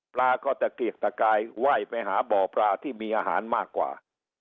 ปลาก็ตะเกียกตะกายไหว้ไปหาบ่อปลาที่มีอาหารมากกว่า